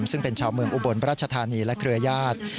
ซึ่งเป็นชาวเมืองอุบลราชธานีและเครือญาติ